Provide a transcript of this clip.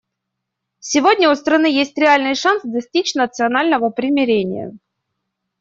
Сегодня у страны есть реальный шанс достичь национального примирения.